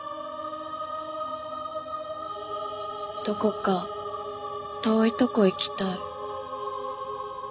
どこか遠いとこ行きたい。